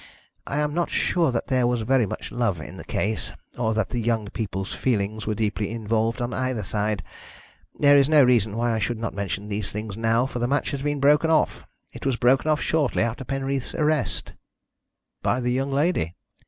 I am not sure that there was very much love in the case, or that the young people's feelings were deeply involved on either side. There is no reason why I should not mention these things now, for the match has been broken off. It was broken off shortly after Penreath's arrest." "By the young lady?"